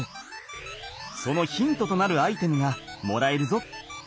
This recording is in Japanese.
そのヒントとなるアイテムがもらえるぞ。